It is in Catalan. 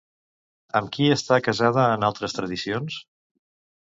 Amb qui està casada en altres tradicions?